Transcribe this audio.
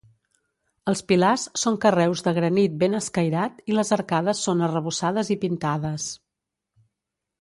Els pilars són carreus de granit ben escairat i les arcades són arrebossades i pintades.